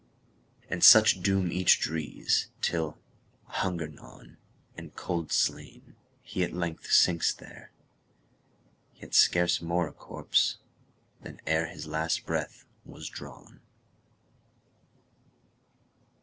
And such doom each drees, Till, hunger gnawn, And cold slain, he at length sinks there, Yet scarce more a corpse than ereHis last breath was drawn.